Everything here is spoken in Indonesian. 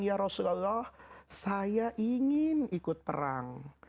ya rasulullah saya ingin ikut perang